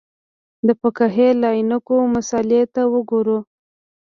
د فقهې له عینکو مسألې ته وګورو.